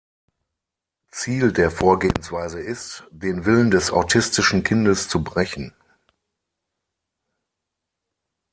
Ziel der Vorgehensweise ist, den Willen des autistischen Kindes zu brechen.